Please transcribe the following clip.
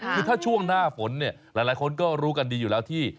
คือถ้าช่วงหน้าฝนเนี่ยหลายคนก็รู้กันดีอยู่แล้วที่